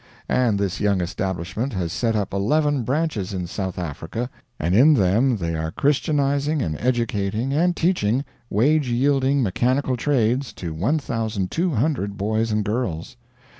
And this young establishment has set up eleven branches in South Africa, and in them they are christianizing and educating and teaching wage yielding mechanical trades to 1,200 boys and girls.